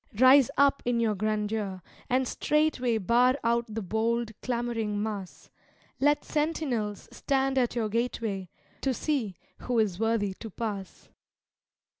Rise up in your grandeur, and straightway Bar out the bold, clamoring mass; Let sentinels stand at your gateway, To see who is worthy to pass.